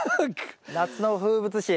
夏の風物詩。